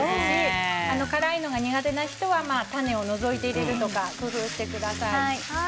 辛いのが苦手な方は種を除いて入れるとか工夫してください。